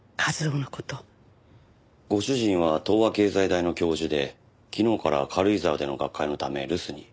ご主人は東亜経済大の教授で昨日から軽井沢での学会のため留守に。